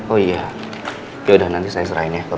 oh iya yaudah nanti saya serahin ya ke pak al